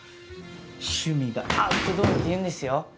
趣味がアウトドアっていうんですよ。